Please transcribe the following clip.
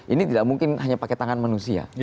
ini tidak mungkin hanya pakai tangan manusia